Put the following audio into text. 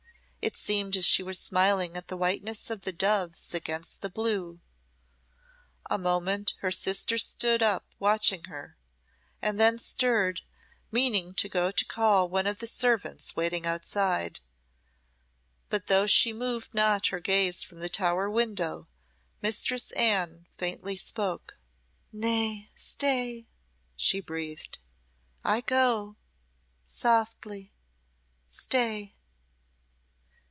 It seemed as she were smiling at the whiteness of the doves against the blue. A moment her sister stood up watching her, and then she stirred, meaning to go to call one of the servants waiting outside; but though she moved not her gaze from the tower window, Mistress Anne faintly spoke. "Nay stay," she breathed. "I go softly stay."